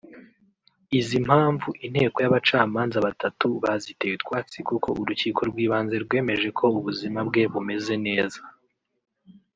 Izi mpamvu inteko y’abacamanza batatu baziteye utwatsi kuko urukiko rw’ibanze rwemeje ko ubuzima bwe bumeze neza